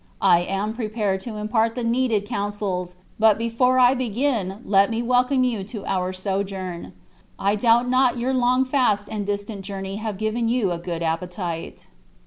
I am prepared to impart the needed counsels; but before I begin let me welcome you to our sojourn. I doubt not your long fast and distant journey have given you a good appetite."